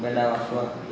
beda waktu berdua